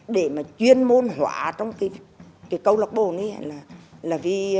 để mà chuyên môn hóa trong cái câu lạc bộ này là vì